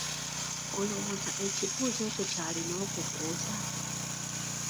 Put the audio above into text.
Olowooza ekibuuzo ekyo ky'alina okubuuza?